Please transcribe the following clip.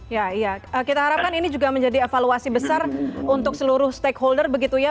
ya iya kita harapkan ini juga menjadi evaluasi besar untuk seluruh stakeholder begitu ya